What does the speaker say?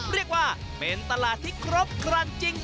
เรียกว่าเป็นตลาดที่ครบครันจริง